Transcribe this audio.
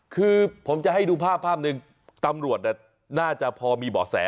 คือผมจะให้ดูภาพภาพหนึ่งตำรวจน่าจะพอมีเบาะแส